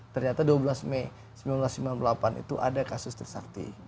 ternyata dua belas mei seribu sembilan ratus sembilan puluh delapan itu ada kasus trisakti